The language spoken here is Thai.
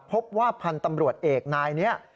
พบว่าพันธ์ตำรวจเอกนายนี้